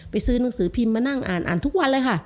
ซื้อหนังสือพิมพ์มานั่งอ่านอ่านทุกวันเลยค่ะ